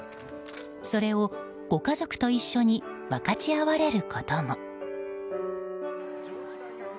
それを、ご家族と一緒に分かち合われることも。